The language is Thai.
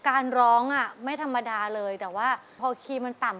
การร้องไม่ธรรมดาเลยแต่ว่าพอคีย์มันต่ำ